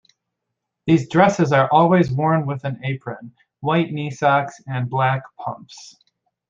These dresses are always worn with an apron, white knee socks and black pumps.